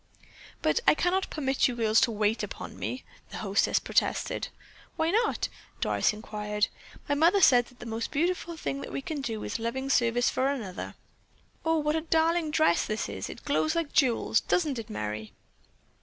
"But I cannot permit you girls to wait upon me!" the hostess protested. "Why not?" Doris inquired. "My mother says that the most beautiful thing that we can do is loving service for one another. Oh, what a darling dress this is! It glows like jewels, doesn't it, Merry?"